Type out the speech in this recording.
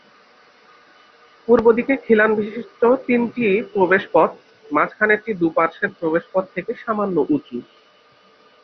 পূর্বদিকে খিলানবিশিষ্ট তিনটি প্রবেশপথ, মাঝখানেরটি দুপার্শ্বের প্রবেশপথ থেকে সামান্য উঁচু।